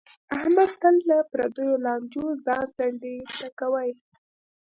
احمد تل له پردیو لانجو ځان څنډې ته کوي.